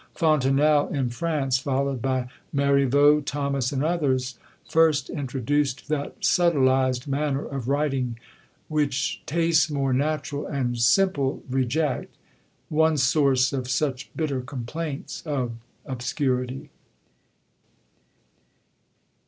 Fontenelle, in France, followed by Marivaux, Thomas, and others, first introduced that subtilised manner of writing, which tastes more natural and simple reject; one source of such bitter complaints of obscurity.